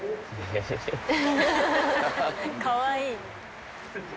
かわいい。